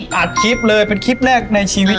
อัดคลิปเลยเป็นคลิปแรกในชีวิต